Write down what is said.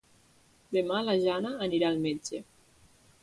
Demà na Jana anirà al metge.